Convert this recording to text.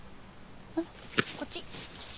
うん。こっち。